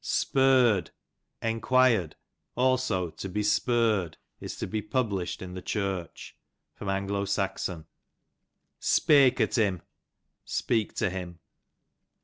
Sperr'd, enquired; also to besperr'd, is to be published in the church. A.S. Speyk at him, speak to him.